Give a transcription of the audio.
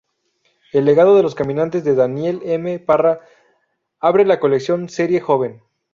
El legado de los caminantes, de Daniel M. Parra, abre la colección Serie Joven.